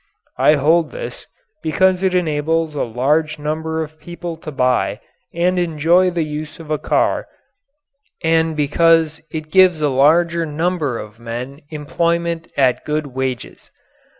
I hold this because it enables a large number of people to buy and enjoy the use of a car and because it gives a larger number of men employment at good wages.